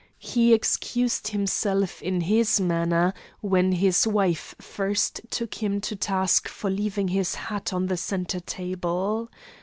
He excused himself in this manner when his wife first took him to task for leaving his hat on the centre table.